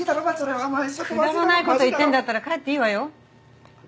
くだらない事言ってんだったら帰っていいわよ。